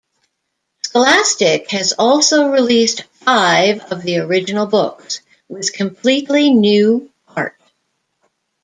Scholastic has also released five of the original books, with completely new art.